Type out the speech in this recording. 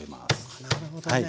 あなるほどね。